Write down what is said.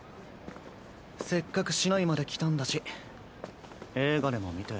せっかく市内まで来たんだし映画でも見て。